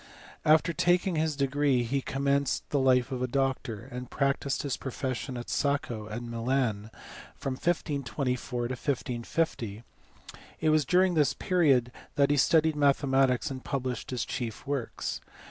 After taking his degree he commenced life as a doctor, and practised his profession at Sacco and Milan from 1524 to 1550; it uas during this period that he studied mathematics and publi>hr<] his chief works.